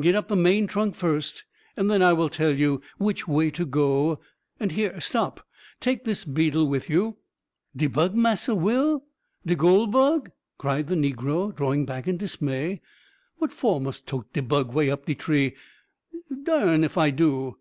"Get up the main trunk first, and then I will tell you which way to go and here stop! take this beetle with you." "De bug, Massa Will! de goole bug!" cried the negro, drawing back in dismay "what for mus tote de bug way up de tree? d n if I do!"